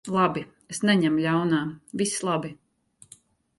Labi. Es neņemu ļaunā. Viss labi.